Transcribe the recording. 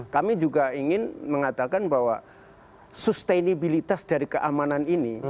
kami juga ingin mengatakan bahwa sustenabilitas dari keamanan ini